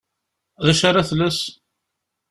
D acu ara tles?